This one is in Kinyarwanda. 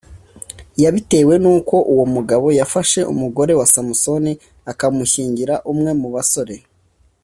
Yabitewe n uko uwo mugabo yafashe umugore wa Samusoni akamushyingira umwe mu basore